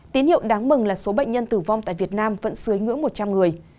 tín hiệu đáng mừng là số bệnh nhân tử vong tại việt nam vẫn dưới ngưỡng một trăm linh người